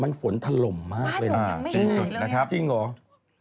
ร่านฝนบ้างยังไม่เห็นเลยเลยนะครับเจ๊จริงเหรอ